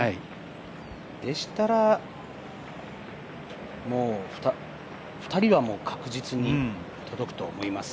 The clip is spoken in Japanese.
でしたら、２人は確実に届くと思います。